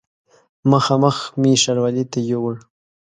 مخامخ مې ښاروالي ته یووړ.